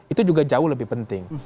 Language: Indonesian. itu juga jauh lebih penting